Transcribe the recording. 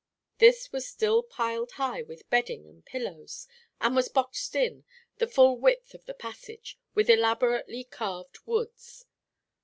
This was still piled high with bedding and pillows and was boxed in, the full width of the passage, with elaborately carved woods.